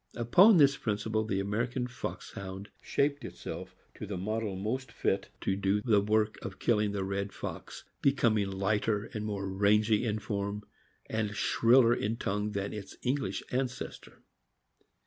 Upon this principle the American Foxhound shaped itself to the model most lit to do the work of killing the red fox, becoming lighter and more rangy in form, and shriller in tongue than its English ancestor.